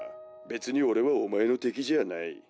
別に俺はお前の敵じゃない。